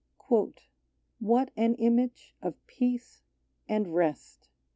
DAVID'S " What an image of peace and rest."